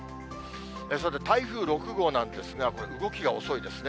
さて、台風６号なんですが、動きが遅いですね。